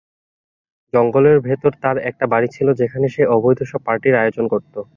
জঙ্গলের ভেতর তার একটা বাড়ি ছিল যেখানে সে অবৈধ সব পার্টির আয়োজন করত।